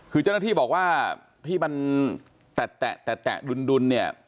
คือเจ้าหน้าที่บอกว่าที่มันแตะดุลเนี่ย